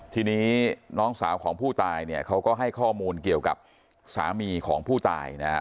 ทีนี้น้องสาวของผู้ตายเนี่ยเขาก็ให้ข้อมูลเกี่ยวกับสามีของผู้ตายนะครับ